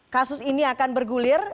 kasus ini akan bergulir